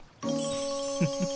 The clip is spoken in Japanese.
フッフフ。